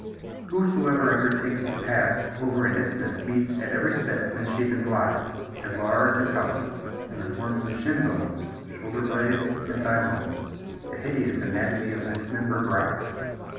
Whosoever undertakes to pass over an isthmus meets at every step misshapen blocks, as large as houses, in the forms of shin bones, shoulder blades, and thigh bones, the hideous anatomy of dismembered rocks.